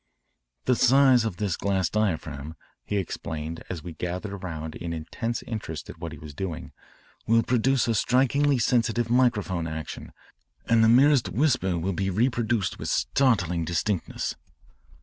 "The size of this glass diaphragm," he explained as we gathered around in intense interest at what he was doing, "will produce a strikingly sensitive microphone action and the merest whisper will be reproduced with startling distinctness."